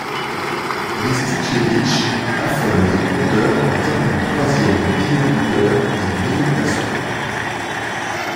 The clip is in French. Rističeviċ affole les compteurs en terminant troisième meilleur buteur et meilleur passeur.